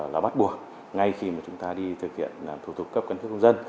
là bắt buộc ngay khi mà chúng ta đi thực hiện thủ tục cấp căn cước công dân